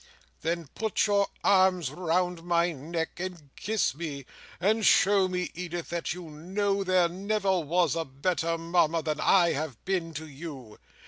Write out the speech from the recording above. "Then put your arms round my neck, and kiss me; and show me, Edith, that you know there never was a better Mama than I have been to you.